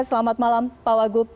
selamat malam pak wagub